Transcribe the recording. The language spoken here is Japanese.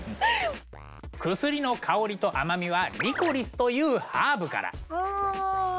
薬の香りと甘みはリコリスというハーブから。